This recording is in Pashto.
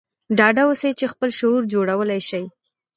ډاډه اوسئ چې خپل لاشعور جوړولای شئ